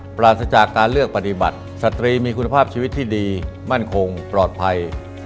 ปราศจากการเลือกปฏิบัติสตรีมีคุณภาพชีวิตที่ดีมั่นคงปลอดภัย